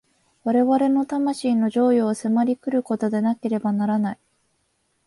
我々の魂の譲与を迫り来ることでなければならない。